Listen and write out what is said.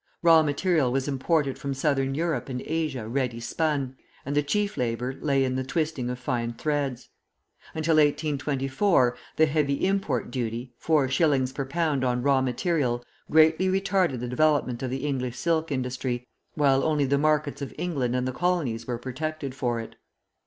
Raw material was imported from Southern Europe and Asia ready spun, and the chief labour lay in the twisting of fine threads. Until 1824 the heavy import duty, four shillings per pound on raw material, greatly retarded the development of the English silk industry, while only the markets of England and the Colonies were protected for it.